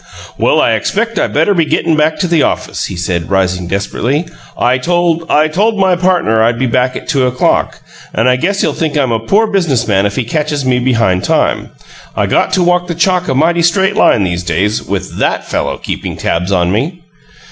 "Well, I expect I better be gettin' back to the office," he said, rising desperately. "I told I told my partner I'd be back at two o'clock, and I guess he'll think I'm a poor business man if he catches me behind time. I got to walk the chalk a mighty straight line these days with THAT fellow keepin' tabs on me!"